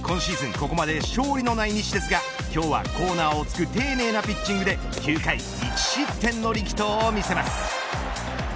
ここまで勝利のない西ですが今日はコーナーを突く丁寧なピッチングで９回１失点の力投を見せます。